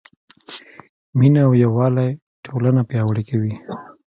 مینه او یووالی ټولنه پیاوړې کوي.